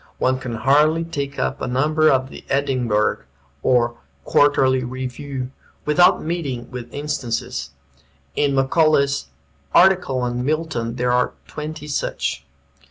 One can hardly take up a number of the "Edinburgh" or "Quarterly Review" without meeting with instances. In Macaulay's article on Milton there are twenty such.